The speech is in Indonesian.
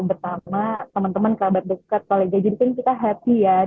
pertama teman teman kerabat dekat kolega jadi kan kita happy ya